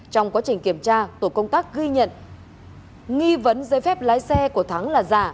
trong quá trình kiểm tra tổ công tác ghi nhận nghi vấn giấy phép lái xe của thắng là giả